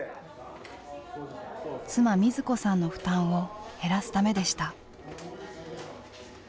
妻瑞子さんの負担を減らすためでした。